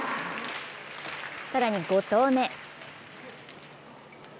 更に、５投目。